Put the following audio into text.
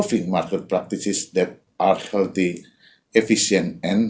yang sehat efisien dan berkaitan dengan